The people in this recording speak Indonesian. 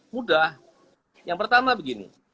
mudah yang pertama begini